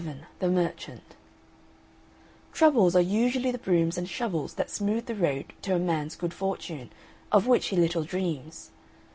VII THE MERCHANT Troubles are usually the brooms and shovels that smooth the road to a man's good fortune, of which he little dreams.